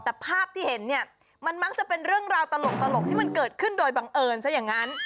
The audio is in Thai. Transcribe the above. แต่ภาพที่เห็นเนี่ยมันมักจะเป็นเรื่องราวตลกที่มันเกิดขึ้นโดยบังเอิญซะอย่างนั้น